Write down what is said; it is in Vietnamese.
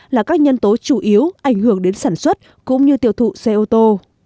là các nhân tố chủ yếu ảnh hưởng đến sản xuất cũng như tiêu thụ xe ô tô